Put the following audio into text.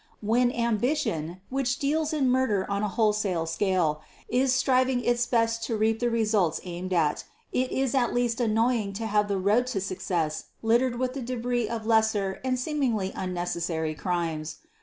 When Ambition, which deals in murder on a wholesale scale, is striving its best to reap the results aimed at, it is at least annoying to have the road to success littered with the débris of lesser and seemingly unnecessary crimes.